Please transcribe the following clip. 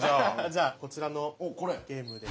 じゃあこちらのゲームで。